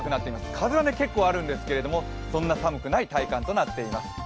風は結構あるんですけど、そんなに寒くない体感となっています。